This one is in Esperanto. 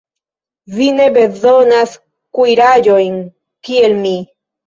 Vi ne bezonas kuiraĵojn, kiel mi.